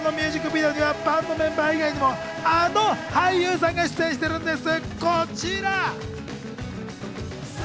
こちらのミュージックビデオにはバンドメンバー以外にもあの俳優さんが出演しているんです。